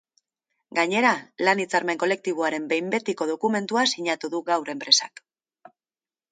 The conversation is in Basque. Gainera, lan hitzarmen kolektiboaren behin betiko dokumentua sinatu du gaur enpresak.